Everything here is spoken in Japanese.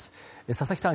佐々木さん